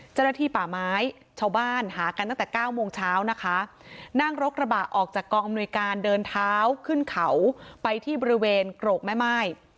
เจ้าหน้าที่ป่าไม้ชาวบ้านหากันตั้งแต่เก้าโมงเช้านะคะนั่งรถกระบะออกจากกองอำนวยการเดินเท้าขึ้นเขาไปที่บริเวณโกรกแม่ม่าย